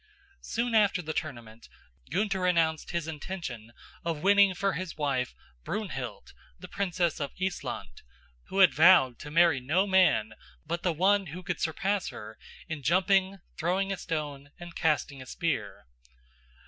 Soon after the tournament Gunther announced his intention of winning for his wife, Brunhild, the princess of Issland, who had vowed to marry no man but the one who could surpass her in jumping, throwing a stone and casting a spear.